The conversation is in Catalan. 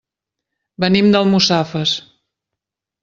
Venim d'Almussafes.